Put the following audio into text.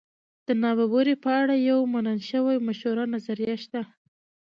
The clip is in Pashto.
د نابرابرۍ په اړه یوه منل شوې مشهوره نظریه شته.